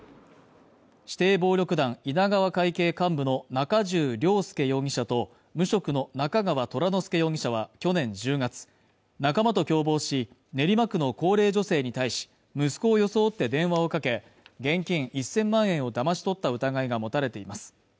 指定暴力団稲川会系幹部の中重玲介容疑者と無職の中川虎之輔容疑者は去年１０月仲間と共謀し練馬区の高齢女性に対し息子を装って電話をかけ現金１０００万円をだまし取った疑いが持たれています